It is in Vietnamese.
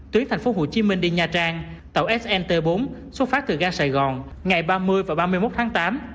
tuyến thành phố hồ chí minh đi nha trang tàu snt bốn xuất phát từ ga sài gòn ngày ba mươi và ba mươi một tháng tám